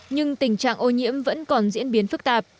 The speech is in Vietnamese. nhưng tình trạng ô nhiễm vẫn còn diễn biến phức tạp